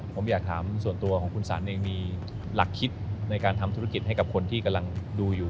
ผมอยากถามส่วนตัวของคุณสันเองมีหลักคิดในการทำธุรกิจให้กับคนที่กำลังดูอยู่